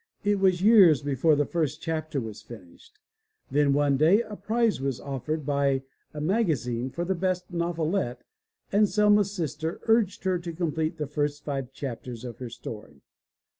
It was years be fore the first chapter was finished. Then one day a prize was offered by a magazine for the best novelette and Selma^s sister urged her to complete the first five chapters of her story.